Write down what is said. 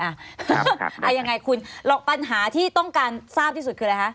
เอายังไงคุณปัญหาที่ต้องการทราบที่สุดคืออะไรคะ